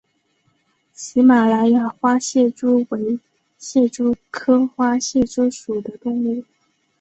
喜马拉雅花蟹蛛为蟹蛛科花蟹蛛属的动物。